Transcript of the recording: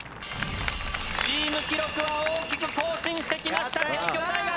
チーム記録は大きく更新してきました帝京大学。